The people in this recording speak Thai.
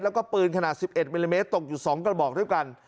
แล้วก็ปืนขนาด๑๑มิลลิเมตรตกอยู่๒กระบอกด้วยกัน